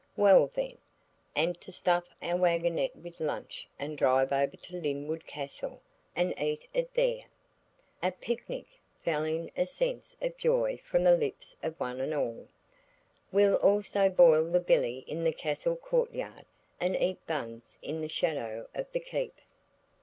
"Well, then! And to stuff our waggonette with lunch and drive over to Lynwood Castle, and eat it there." "A picnic!" fell in accents of joy from the lips of one and all. "We'll also boil the billy in the castle courtyard, and eat buns in the shadow of the keep."